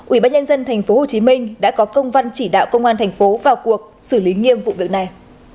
ủy ban nhân dân tp hcm đã có công văn chỉ đạo công an thành phố vào cuộc xử lý nghiêm vụ việc này